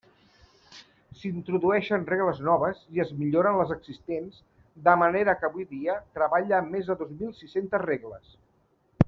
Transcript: S'introdueixen regles noves i es milloren les existents, de manera que avui dia treballa amb més de dos mil sis-centes regles.